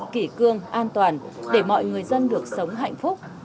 kỷ cương an toàn để mọi người dân được sống hạnh phúc